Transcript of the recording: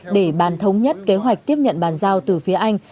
để bàn thống nhất kế hoạch tiếp nhận bàn giao từ phía anh